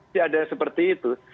tidak ada seperti itu